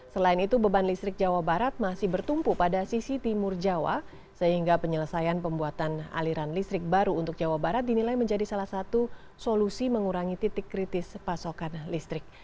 selain itu beban listrik jawa barat masih bertumpu pada sisi timur jawa sehingga penyelesaian pembuatan aliran listrik baru untuk jawa barat dinilai menjadi salah satu solusi mengurangi titik kritis pasokan listrik